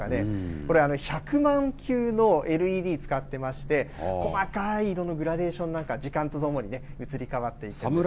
これ、１００万球のＬＥＤを使っていまして、細かい色のグラデーションなんか、時間とともに移り変わっていくんです。